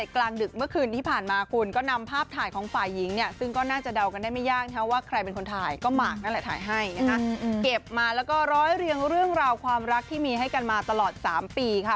เก็บมาแล้วก็ร้อยเรียงเรื่องราวความรักที่มีให้กันมาตลอด๓ปีค่ะ